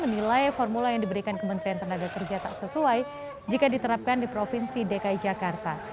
menilai formula yang diberikan kementerian tenaga kerja tak sesuai jika diterapkan di provinsi dki jakarta